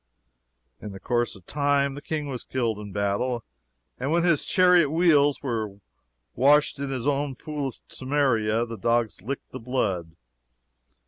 In the course of time, the King was killed in battle, and when his chariot wheels were washed in the pool of Samaria, the dogs licked the blood.